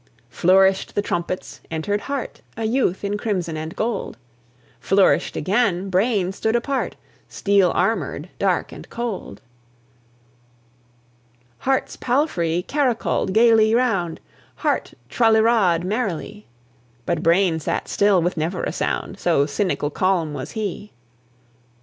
II. Flourished the trumpets, entered Heart, A youth in crimson and gold; Flourished again; Brain stood apart, Steel armoured, dark and cold. III. Heart's palfrey caracoled gaily round, Heart tra li ra'd merrily; But Brain sat still, with never a sound, So cynical calm was he. IV.